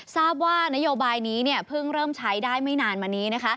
ทราบว่านโยบายนี้เพิ่งเริ่มใช้ได้ไม่นานมานี้